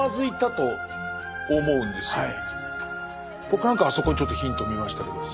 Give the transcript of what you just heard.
僕なんかはあそこにちょっとヒントを見ましたけど。